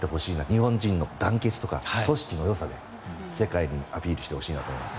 日本人の団結とか組織のよさで世界にアピールしてほしいと思います。